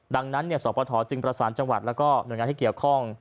ดังนั้นสวพทจึงประสาทจังหวัดและหน่วยงานการให้เกี่ยวข้อง